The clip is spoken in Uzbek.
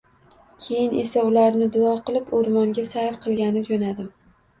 Keyin esa ularni duo qilib, o`rmonga sayr qilgani jo`nadim